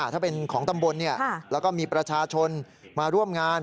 ถ้าเป็นของตำบลแล้วก็มีประชาชนมาร่วมงาน